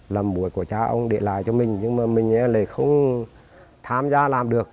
là muối của cha ông để lại cho mình nhưng mà mình lại không tham gia làm được